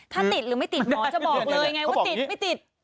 ถ้าติดหรือไม่ติดหมอจะบอกเลยไงว่าติดไม่ติด